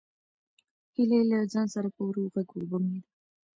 هیلې له ځان سره په ورو غږ وبونګېده.